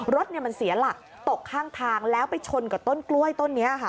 รถมันเสียหลักตกข้างทางแล้วไปชนกับต้นกล้วยต้นนี้ค่ะ